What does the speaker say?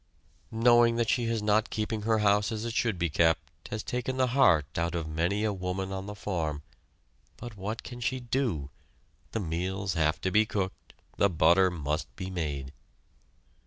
Knowing that she is not keeping her house as it should be kept has taken the heart out of many a woman on the farm. But what can she do? The meals have to be cooked; the butter must be made!